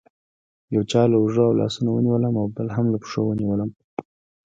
یو چا له اوږو او لاسونو ونیولم او بل هم له پښو ونیولم.